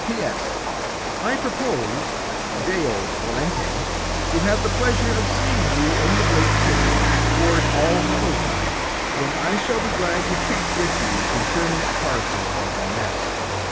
P.S. I propose, Deo volente, to have the pleasure of seeing you in the great city, towards All hallowtide, when I shall be glad to treat with you concerning a parcel of MS.